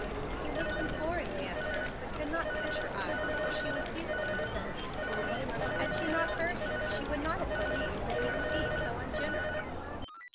He looked imploringly at her, but could not catch her eye, for she was deeply incensed. Had she not heard him she would not have believed that he could be so ungenerous.